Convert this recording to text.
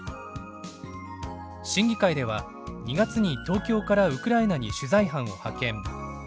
審議会では２月に東京からウクライナに取材班を派遣。